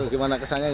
seru gimana kesannya